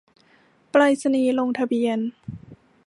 ไปรษณีย์ลงทะเบียน